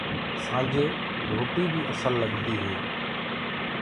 سآنجي روٽي بي اسل لگدي هي۔